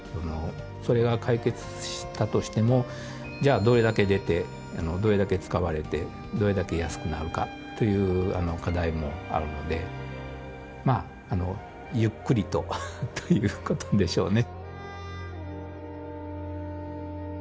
それが解決したとしてもじゃあどれだけ出てどれだけ使われてどれだけ安くなるかという課題もあるのでまあゆっくりとということでしょうね。